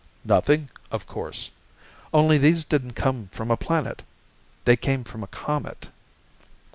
"Nothing, of course. Only these didn't come from a planet. They came from a comet."